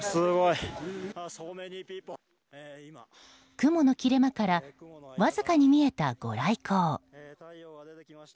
雲の切れ間からわずかに見えた、ご来光。